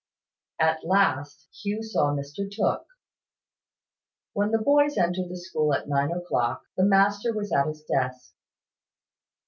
At last, Hugh saw Mr Tooke. When the boys entered school at nine o'clock, the master was at his desk.